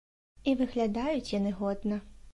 І выглядаюць яны годна.